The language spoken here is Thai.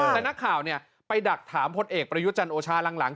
แต่นักข่าวไปดักถามพลเอกประยุจันทร์โอชาหลัง